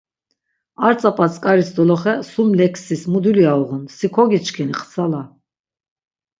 Ar tzap̌a tzǩaris doloxe sum leksis mu dulya uğun, si kogiçkini xtsala?